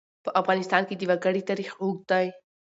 په افغانستان کې د وګړي تاریخ اوږد دی.